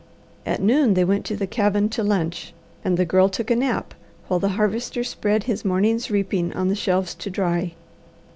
At noon they went to the cabin to lunch, and the Girl took a nap, while the Harvester spread his morning's reaping on the shelves to dry.